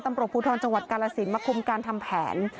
ตำรวจภูทรจังหวัดกาลสินมาคุมการทำแผน